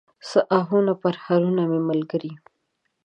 څه آهونه، پرهرونه مې ملګري